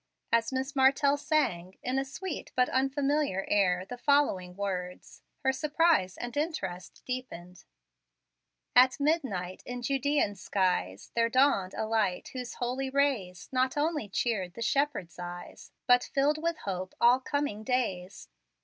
As Miss Martell sang, in a sweet but unfamiliar air, the following words, her surprise and interest deepened: At midnight, in Judean skies, There dawned a light whose holy rays Not only cheered the shepherds' eyes, But filled with hope all coming days.